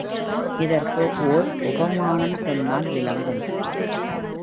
இதற்கு ஒர் உபமானம் சொன்னால் விளங்கும்.